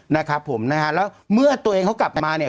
นะครับผมนะฮะแล้วเมื่อตัวเองเขากลับมาเนี่ย